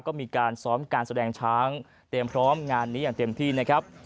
ก็มีการซ้อมการแสดงช้างเตรียมพร้อมงานนี้อย่างเต็มที่นะครับ